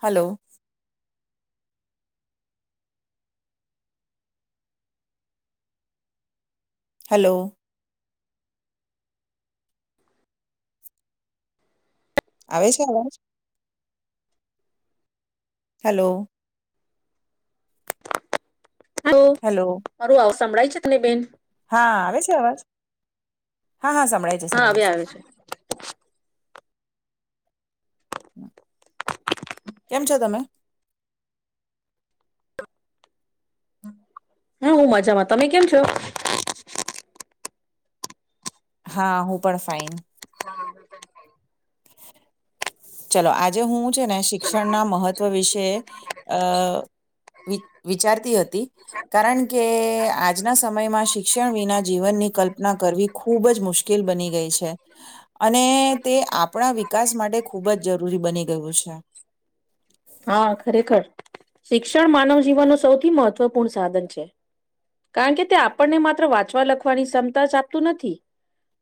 હાલો. Hello. આવે છે અવાજ? હેલો. હાલો હલો અરું આવ સાંભળાય છે જ તને બેન? હા આવે છે અવાજ? હા હા સંભળાય છે હા હવે સંભળાય છે. આવે કેમ છો તમે? હા હું મજામાં, તમે કેમ છો? હા હું પણ ફાઇન. ચાલો આજે હું છે ને શીખ ક્ષણના મહત્વ વિશે અ વિ વિચારતી હતી કારણ કે આ આજના સમયમાં શિક્ષણ વિના જીવનની કલ્પના કરવી ખૂબ જ મુશ્કેલ બની ગઈ છે અને તે આપ આપણા વિકાસ માટે ખૂબ જ જરૂરી બની ગયું છે. હા ખરેખર શિક્ષણ માનવ જીવન નો સૌથી મહત્વપૂર્ણ સાધન છે કારણ કે તે આપણને માત્ર વાંચવા લખવાની ક્ષમતા જ આપતું નથી.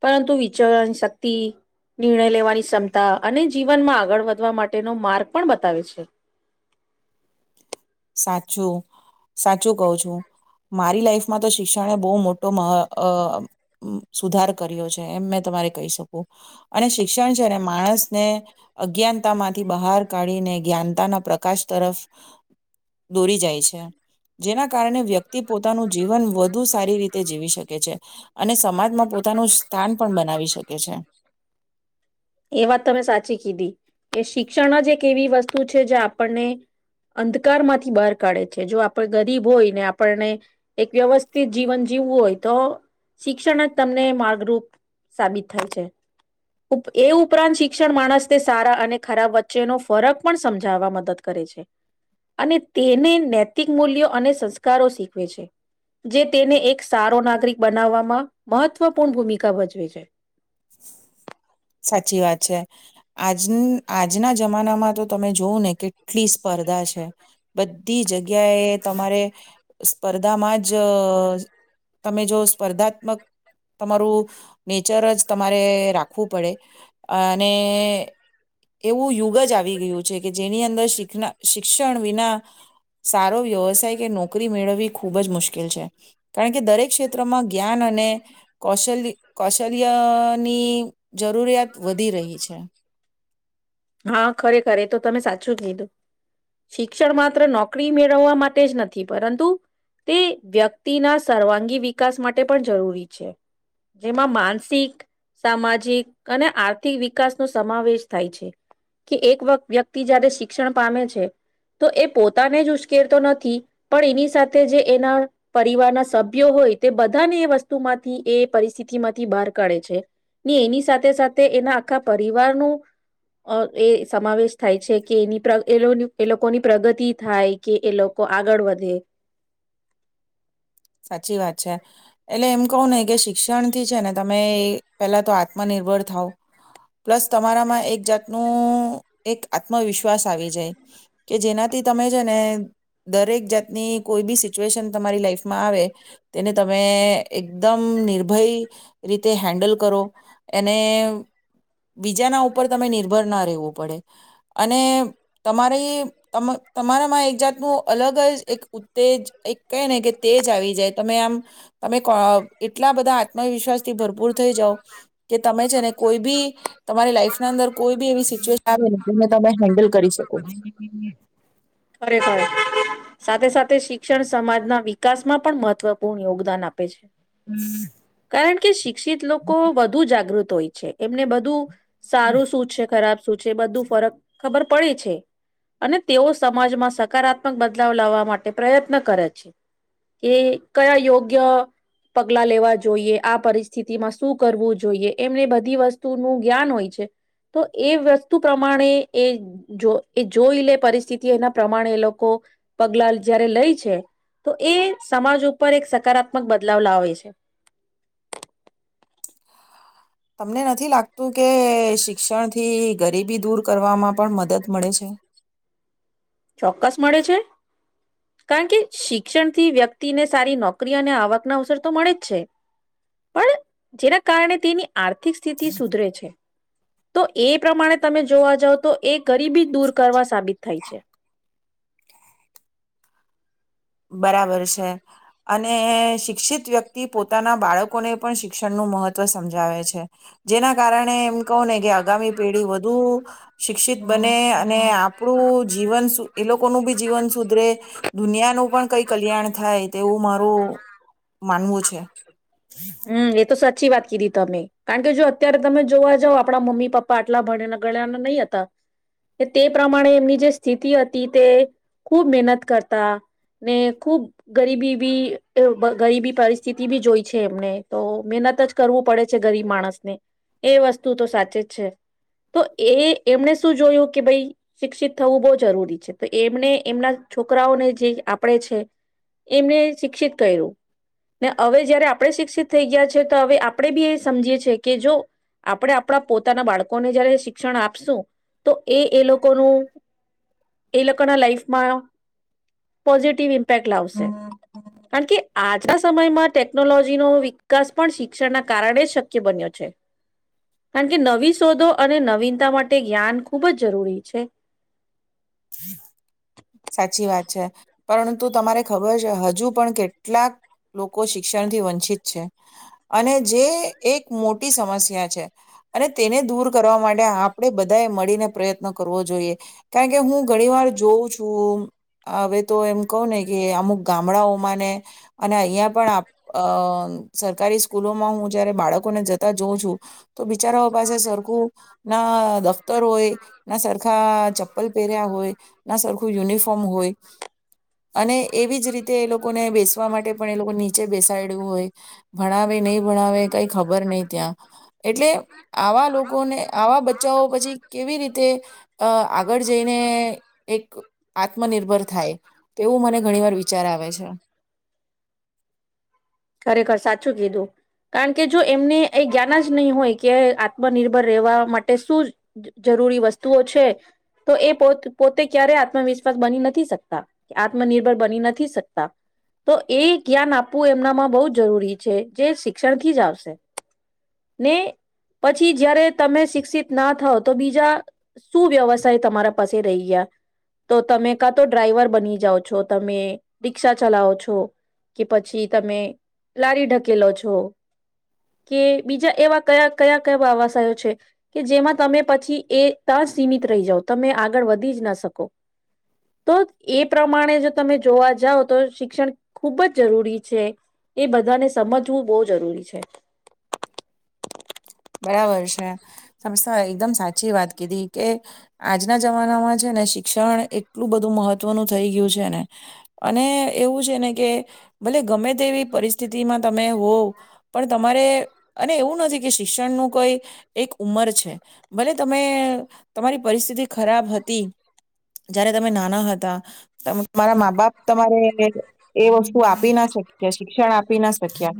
પરંતુ વિચરણ શક્તિ, નિર્ણય લેવાની ક્ષમતા અને જીવનમાં આગળ વધવા માટેનો માર્ગ પણ બતાવે છે. સાચું સાચું કવ છું મારી લાઈફમાં તો શિક્ષણે બહુ મોટો અ અ સુધાર કર્યો છે એમ મે તમારે કહી શકું અને શિ શિક્ષણ જ્યારે માણસને અજ્ઞાનતામાંથી બહાર કાઢીને જ્ઞાનતાના પ્ર આકાશ તરફ દોરી જાય છે જેના કારણે વ્યક્તિ પોતાનું જીવન વધુ સારી રીતે જીવી શકે છે અને સમાજમાં પોતાનું સ્થાન પણ બનાવી શકે છે એ વાત તમે સાચી કીધી. કે શિક્ષણ જ એક એવી વસ્તુ છે જે આપણને અંધકારમાંથી બાર કાઢે છે. જો આપણે ગરીબ હોય ને આપણને એક વ્યવસ્થિત જીવન જીવવું હોય તો શિક્ષણ જ તમને માર્ગરૂપ સાબિત થાય છે એ ઉપરાંત શિક્ષણ માણસ તે સારા અને ખરાબ વચ્ચેનો ફરક પણ સમજાવવા મદદ કરે છે અને તેને નૈતિક મૂલ્યો અને સંસ્કારો શીખવે છે. જે તેને એક સારો નાગરિક બનાવવામાં મહત્વપૂર્ણ ભૂમિકા ભજવે છે. સાચી વાત છે. આજ આ આજના જમાનામાં તો તમે જોવું ને કેટલી સ્પર્ધા છે બધી જગ્યાએ તમારે સ્પર્ધામાં જ તમે જો સ્પર્ધાત્મક તમારું નેચર જ તમારે રાખવું ડે અને એવું યુગ જ આવી ગયું છે કે જેની અંદર શીક શી ક્ષણ વિના સારો વ્યવસાય કે નોકરી મેળવવી ખૂબ જ મુશ્કેલ છે. કારણ કે દરેક ક્ષેત્રમાં જ્ઞાન અને કૌશલની કૌશલ્યની જરૂરિયાત વધી રહી છે. હા ખરેખર એ તો તમે સાચું કીધું. શિક્ષણ માત્ર નોકરી મેળવવા માટે જ નથી પરંતુ તે વ્યક્તિના સર્વાંગી વિકાસ માટે પણ જરૂરી છે. જેમાં માનસિક, સામાજિક અને આર્થિક વિકાસનો સમાવેશ થાય છે કે એક વત વ્યક્તિ જયારે શિક્ષણ પામે છે તો એ પોતાને જ ઉશ્કેરતો નથી પણ એની સાથે જે એના પરિવારના સભ્યો હોય તે બધાને એ વસ્તુમાંથી એ પરિસ્થિતિ માંથી બહાર કાઢે છે. ને એની સાથે સાથે એના આખા પરિવારનો એ સમાવેશ થાય છે કે એની પ્ર એનું એ લોકોની પ્રગતિ થાય કે એ લોકો આગળ વધે. સાચી વાત છે એટલે એમ કોવ ને કે શિક્ષણ થી છે ને તમ તમે પહેલા તો આત્મનિર્ભર થાવ, પ્લસ તમારામાં એક જાતનું એક આત્મવિશ્વાસ આવી જાય કે જેનાથી તમે છે ને દરેક જાતની કોઈ બી સિચ્યુએશન તમારી લાઈફ માં આવે તેને તમે એકદમ નિર્ભય રીતે હેન્ડલ કરો. એને બીજાના ઉપર તમે નિર્ભર ના રહેવું પડે. અને તમારે તમારામાં એક જાતનું અલગ જ એક ઉત્તેજ એક કહે ને કે આવી જાય તમે આમ તમે એટલા બધા આત્મવિશ્વાસ થી ભરપૂર થઈ જાવ કે તમે છે ને કોઈ બી તમારી લાઈફ ના અંદર કોઈ બી એવી સિચ્યુએશન આવે જેને તમે હેન્ડલ કરી શકો. ખરેખર સાથે સાથે શિક્ષણ સમાજના વિકાસ માં પણ મહત્વપૂર્ણ યોગદાન આપે છે. કારણ કે શિક્ષિત લોકો વધુ જાગૃત હોય છે એમને બધું સારું શું છે ખરાબ શું છે બધું ફરક ખબર પડે છે અને તેઓ સમાજમાં સકારાત્મક બદલાવ લાવવા માટે પ્રયત્ન કરે છે કે કયા યોગ્ય પગલા લેવા જોઈએ, આ પરિસ્થિતિમાં શું કરવું જોઈએ એમને બધી વસ્તુનું જ્ઞાન હોય છે તો એ વસ્તુ પ્રમાણે એ જો એ જોઈ લે પરિસ્થિ તી એના પ્રમાણે એ લોકો પગલા જયારે લે છે તો એ સમાજ ઉપર એક સકારાત્મક બદલાવ લાવે છે. તમને નથી લાગતું કે શિક્ષણથી ગરીબી દૂર કરવામાં પણ મદદ મળે છે? ચોક્કસ મળે છે. કારણ કે શિક્ષણથી વ્યક્તિને સારી નોકરી અને આવક ના અવસર તો મળે જ છે. પણ જેના કારણે તેની આથ ર્થિક સ્થિતિ સુધરે છે. તો એ પ્રમાણે તમે જોવા જાવ તો એ ગરીબી દૂર કરવા સાબિત થાય છે. બરાબર છે અને શિક્ષિત વ્યક્તિ પોતાના બાળકોને પણ શિક્ષણનું મહત્વ સમજાવે છે. જેના કારણે એમ કહું ને કે આગામી પેઢી વધુ શિક્ષિત બને અને આપણું જીવન એ લોકોનું બી જીવન સુધરે દુનિયાનું પણ કઈ કલ્યાણ થાય તેવું મારું માનવું છે. હમ્મ, એ તો સાચી વાત કીધી તમે કારણ કે જો અત્યારે તમે જોવા જાવ આપડા મમ્મી પપ્પા આટલા ભણયા ગળ્યાના નહી હતા તે પ્રમાણે એમની જે સ્થિતિ હતી તે ખૂબ મહેનત કરતા ને ખુબ ગરીબી બી ગરીબી પર સ્થીતી બી જોઈ છે એમને તો મહેનત જ કરવું પડે છે ગરીબ માણસને. એ વસ્તુ તો સાચે જ છે તો એ એમણે શું જોયું કે ભાઈ શિક્ષિત થવું બહુ જરૂરી છે. તો એમને એમના છોકરાઓને જે આપણેે છે એમને શિક્ષિત કર્યું. ને હવે જયારે આપણે શિક્ષિત થઈ ગયા છે તો હવે આપણે બી એ સમજીએ છે કે જો આપણે આપણા પોતાના બાળકોને જયારે શિક્ષણ આપશું તો એ એ લોકોનું એ લોકોના લાઈફમાં પોઝિટિવ ઇમ્પેક્ટ લાવશે. કારણ કે આજ સમયમાં ટેકનોલોજીનો વિકાસ પણ શિક્ષણના કારણે શક્ય બન્યો છે. કારણ કે નવી શોધો અને નવીનતા માટે જ્ઞાન ખૂબ જ જરૂરી છે. સાચી વાત છે. પરંતુ તમારે ખબર છે હજુ પણ કેટલાક લોકો શિક્ષણથી વંચિત છે અને જે એક મોટી સમસ્યા છે અને તેને દૂર કરવા માટે આપણે બધા એ મળીને પ્રયત્ન કરવો જોઈએ. કારણ કે હું ઘણી વાર જોઉં છું હવે તો એમ કહ ને કે અમુક ગામડાઓમાં ને અને અહીંયા પણ અ સરકારી સ્કૂલોમાં હું જયારે બાળકોને જતા જોઉં છું તો બિચારાઓ પાસે સરખું ના દફતર હોય ના સરખા ચપ્પલ પહેર્યા હોય, ના સરખું યુનિફોર્મ હોય અને એવી જ રીતે એ લોકોને બેસવા માટે પણ એ લોકો નીચે બેસાડ્યું હોય ભણાવે નહીં ભણાવે કઈ ખબર નહ ત્યાં. એટલે આવા લોકોને આવા બચ્ચાઓ પછી કેવી રીતે અ આગળ જઈને એક આત્મનિર્ભર થાય તેવું મને ઘણી વાર વિચાર આવે છે. શું કીધું. કારણ કે જો એમને એ જ્ઞાન જ નહી હોય કે આત્મનિર્ભર રહેવા માટે શું જરૂરી વસ્તુઓ છે તો એ પો પોતે ક્યારેય આત્મવિશ્વાસ બની નથી શકતા આત્મનિર્ભર બની નથી શકતા. તો એ જ્ઞાન આપવું એમનામાં બહુ જ જરૂરી છે જે શિક્ષણથી જ આવશે. ને પછી જયારે તમે શિક્ષિત ના થાવ તો બીજા શું વ્યવસાય તમારા પાસે રહી ગયા. તો તમે કા તો ડ્રાઈવર બની જાઓ છો તમે રિક્ષા ચલાવો છો કે પછી તમે લારી ઢકેલો છો કે બીજા એવા કયા કયા કયા અવાશો છે કે જેમાં તમે પછી એ ત્યાં સીમિત રહી જાઓ તમે આગળ વધી જ ના શકો તો એ પ્રમાણે જો તમે જોવા જાવ તો શિક્ષણ ખૂબ જ જરૂરી છે એ બધાને સમજવું બહુ જરૂરી છે. બરાબર છે સમસ્થા એકદમ સાચી વાત કીધી કે આજના જમાનામાં છે ને શિક્ષણ એટલું બધું મહત્વનું થઈ ગયું છે ને અને એવું છે ને કે ભલે ગમે તેવી પરિસ્થિતિમાં તમે હોવ પણ તમારે અને એવું નથી કે શીષણ નું કોઈ એક ઉંમર છે ભલે તમે તમારી પરિસ્થિતિ ખરાબ હતી. જયારે તમે નાના હતા તમારા મા બાપ તમારે એ વસ્તુ આપી ના શક્યા શિક્ષણ આપી ના શક્યા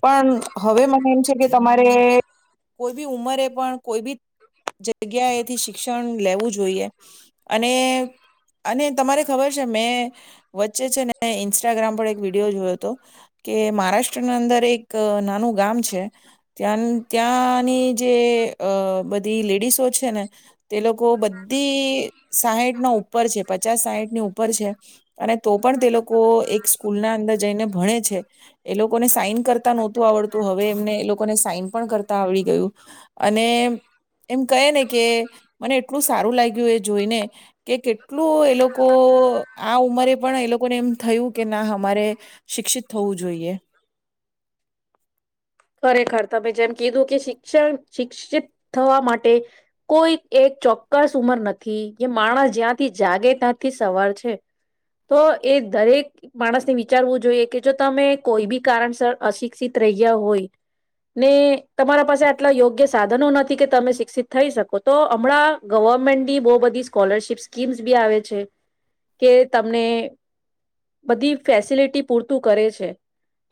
પણ હવે મને એમ છે કે તમારે કોઈ બી ઉંમરે પણ કોઈ બી જગ્યા એથી શીખ શિક્ષણ લેવું જોઈએ. અને અને તમારે ખબર છે મેં વચ્ચે છે ને ઇન્સ્ટાગ્રામ પર એક વિડીયો જોયો હતો કે મહારાષ્ટ્રના અંદર એક નાનું ગામ છે ત્યાં ત્યાંની જે અ બધી લેડીસો છે ને તે લોકો બધી સાહીઠ ના ઉપર છે પચાસ સાહીઠની ઉપર છે અને તો પણ તે લોકો એક સ્કૂલ ના અંદર જઈને ભણે છે. એ લોકોને સાઈન કરતા નહોતું આવડતું હવે એમને એ લોકોને સાઈન પણ કર તા આવડી ગયું અને એમ કહે ને કે મને એટલું સારું લાગ્યું એ જોઈને કે કેટલું એ લોકો આ ઉંમરે પણ એ લોકોને એમ થયું કે ના અમારે શિક્ષિત થવું જોઈએ. ખરેખર તમે જેમ કીધું કે શિક્ષણ શિક્ષિત થવા માટે કોઈ એક ચોક્કસ ઉંમર નથી કે માણસ જ્યાંથી જાગે ત્યાંથી સવાર છે. તો એ દરેક માણસને વિચારવું જોઈએ કે જો તમે કોઈ બી કારણસર અશિક્ષિત રહ્યા હોય ને તમારા પાસે આટલા યોગ્ય સાધનો નથી કે તમે શિક્ષિત થઈ શકો તો હમણાં ગવર્મેન્ટની બહુ બધી સ્કોલરશીપ સ્કીમ્સ બી આવે છે કે તમને બધી ફેસિલિટી પૂરતું કરે છે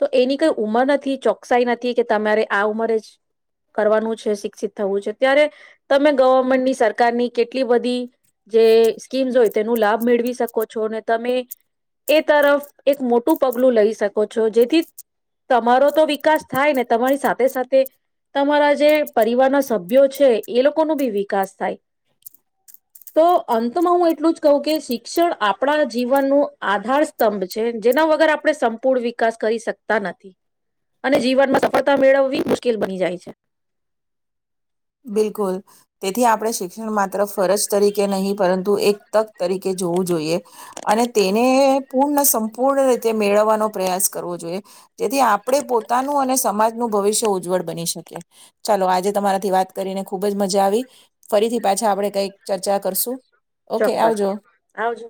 તો એની કઈ ઉંમર નથી ચોકસાઈ નથ થી કે તમારે આ ઉંમરે જ કરવાનું છે શિક્ષિત થવું છે ત્યારે તમે ગવર્મેન્ટની સરકારની કેટલી બધી જે સ્કીમ્સ હોય તેનું લાભ મેળવી શકો છો ને તમે એ તરફ એક મોટું પગલું લઈ શકો છો જેથી તમારો તો વિકાસ થાય ને તમારી સાથે સાથે તમારા જે પરિવારના સભ્યો છે એ લોકો ન બી વિકાસ થાય તો અંતમાં હું એટલું જ કહું કે શિક્ષણ આપણા જીવન નું આધાર સ્તંભ છે જેના વગર આપણે સંપૂર્ણ વિકાસ કરી શકતા નથી. અને જીવનમાં સફળતા મેળવવી મુશ્કેલ બની જાય છે. બિલકુલ તેથી આપણે શિક્ષણ માત્ર ફરજ તરીકે નહીં પરંતુ એક તક તરીકે જોવું જોઈએ અને તેને પૂર્ણ સંપૂર્ણ રીતે મેળવવાનો પ્રયાસ કરવો જોઈએ જેથી આપણે પોતાનું અને સમાજનું ભવિષ્ય ઉજ્જવળ બની શકીએ ચાલો આજે તમારાથી વાત કરીને ખુબ જ મજા આવી ફરીથી પાછા આપણેે કઈક ચર્ચા કરશું ઓકે ચોક્કસ આવજો. આવજ